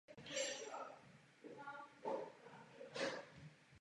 Posádku tvořilo pět Američanů a on z Kanady.